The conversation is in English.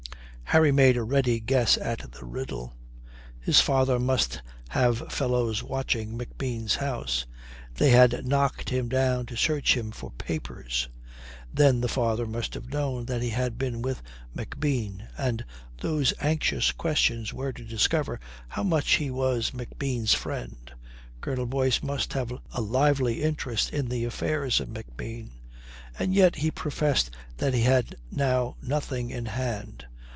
Harry made a ready guess at the riddle. His father must have fellows watching McBean's house. They had knocked him down to search him for papers. Then the father must have known that he had been with McBean, and those anxious questions were to discover how much he was McBean's friend. Colonel Boyce must have a lively interest in the affairs of McBean and yet he professed that he had now nothing in hand.